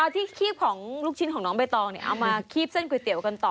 ที่คีบของลูกชิ้นของน้องใบตองเอามาคีบเส้นก๋วยเตี๋ยวกันต่อ